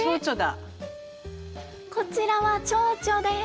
そしてこちらはチョウチョです。